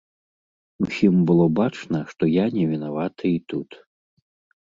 Усім было бачна, што я не вінаваты і тут.